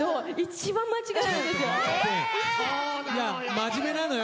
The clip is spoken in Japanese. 真面目なのよ。